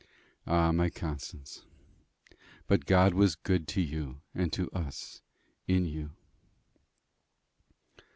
Ah! my Constance! But God was good to you and to us in you.